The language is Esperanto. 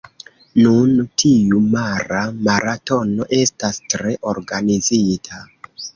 Nun, tiu mara maratono estas tre organizita.